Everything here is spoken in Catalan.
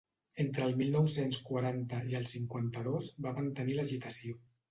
Entre el mil nou-cents quaranta i el cinquanta-dos, va mantenir l'agitació.